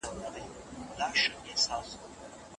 دا پنځه ګلان دي.